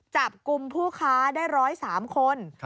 จับกลุ่มผู้ค้าได้๑๐๓คน